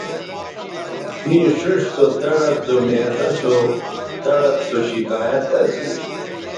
مے ݜیئݜ سو دڑد زو معدہ سو دڑد سو شکایت اسی